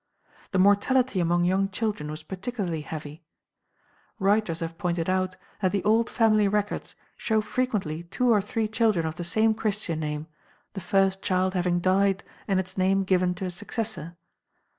The mortality among young children was particularly heavy. Writers have pointed out that the old family records show frequently two or three children of the same Christian name, the first child having died and its name given to a successor.